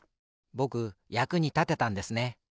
ぼくやくにたてたんですね。